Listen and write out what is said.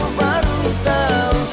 kamu baru tau